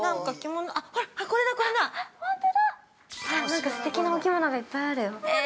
◆なんか、すてきなお着物がいっぱいあるよ。